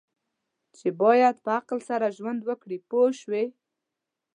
چې باید په عقل سره ژوند وکړي پوه شوې!.